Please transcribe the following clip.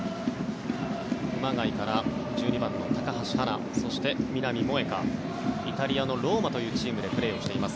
熊谷から１２番の高橋はなそして南萌華イタリアのローマというチームでプレーしています。